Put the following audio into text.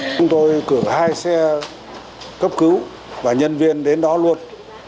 chúng tôi cử hai xe cấp cứu và nhân viên đến đó luôn